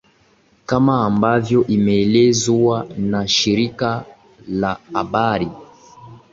kama ambavyo imeelezwa na shirika la habari